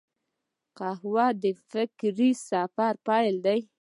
قهوه د فکري سفر پیل دی